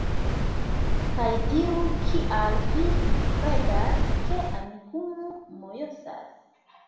Kaj diru kial vi kredas, ke Amikumu mojosas